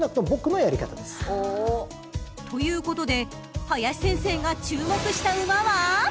［ということで林先生が注目した馬は？］